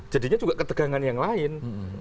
jadinya juga ketegangan yang lain